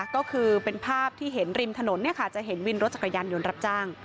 ก็คือเป็นภาพที่เห็นริมถนนจะเห็นวินรถจักรยานยนต์รับจ้าง